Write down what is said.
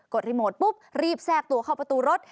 รีโมทปุ๊บรีบแทรกตัวเข้าประตูรถ